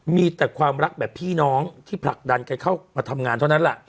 มีแต่ความรักแบบพี่น้องที่ผลักดันใครเข้ามาทำงานเท่านั้นแหละ